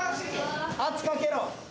圧かけろ！